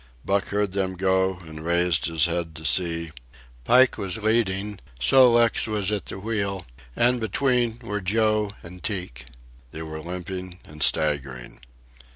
Buck heard them go and raised his head to see, Pike was leading, Sol leks was at the wheel, and between were Joe and Teek. They were limping and staggering.